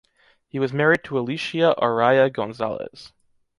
He was married to "Alicia Araya González".